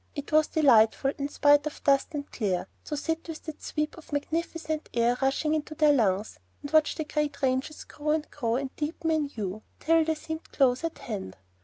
It was delightful, in spite of dust and glare, to sit with that sweep of magnificent air rushing into their lungs, and watch the great ranges grow and grow and deepen in hue, till they seemed close at hand.